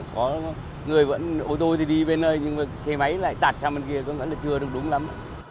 có người vẫn ô tô thì đi bên nơi nhưng mà xe máy lại tạt sang bên kia vẫn là chưa được đúng lắm